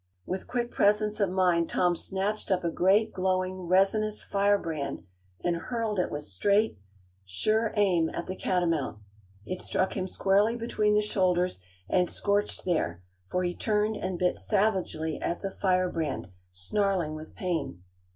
With quick presence of mind Tom snatched up a great, glowing, resinous firebrand and hurled it with straight, sure aim at the catamount. It struck him squarely between the shoulders and scorched there, for he turned and bit savagely at the firebrand, snarling with pain.